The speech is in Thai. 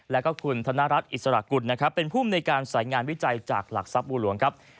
แล้วก็คุณธนรัฐอิสระกุลนะครับเป็นภูมิในการสายงานวิจัยจากหลักทรัพย์บัวหลวงครับ